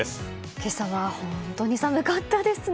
今朝は本当に寒かったですね。